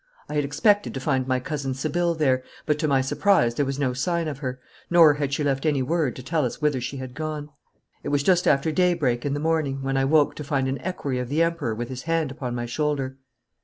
I had expected to find my Cousin Sibylle there, but to my surprise there was no sign of her, nor had she left any word to tell us whither she had gone. It was just after daybreak in the morning when I woke to find an equerry of the Emperor with his hand upon my shoulder.